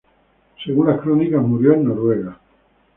Según las crónicas murió en Noruega.